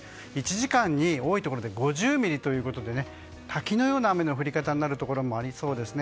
１時間に多いところで５０ミリということで滝のような雨の降り方になるところもありそうです。